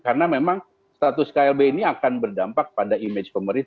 karena memang status klb ini akan berdampak pada image pemerintah